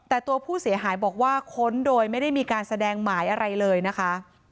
แต่ตัวผู้เสียหายบอกว่าค้นโดยไม่ได้มีการแสดงหมายอะไรเลยนะคะ